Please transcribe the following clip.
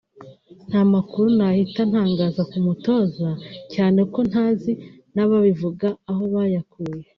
nta makuru nahita ntangaza ku mutoza cyane ko ntazi n’ababivuga aho bayakuye